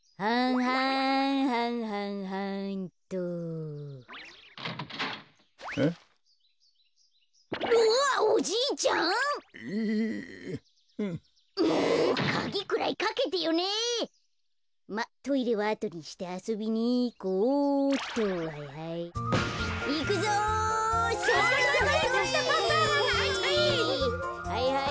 はいはいはいはい。